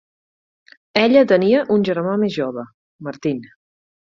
Ella tenia un germà més jove, Martin.